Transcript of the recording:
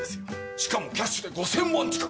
しかもキャッシュで５千万近く！